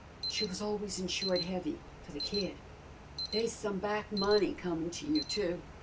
She was always insured heavy for the kid. They's some back money comin' to you, too.